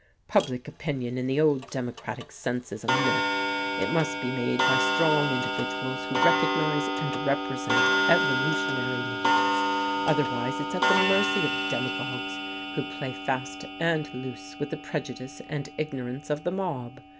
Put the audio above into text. Public opinion in the old democratic sense is a myth; it must be made by strong individuals who recognize and represent evolutionary needs, otherwise it's at the mercy of demagogues who play fast and loose with the prejudice and ignorance of the mob.